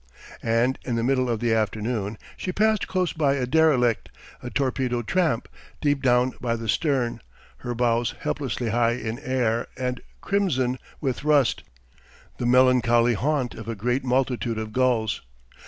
And in the middle of the afternoon she passed close by a derelict, a torpedoed tramp, deep down by the stern, her bows helplessly high in air and crimson with rust, the melancholy haunt of a great multitude of gulls.